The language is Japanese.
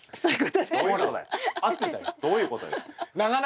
そういうことです。